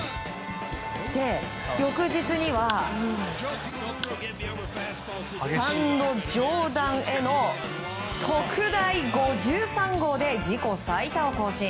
翌日には、スタンド上段への特大５３号で自己最多を更新。